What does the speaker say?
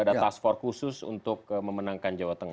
ada task force khusus untuk memenangkan jawa tengah